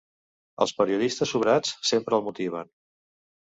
Els periodistes sobrats sempre el motiven.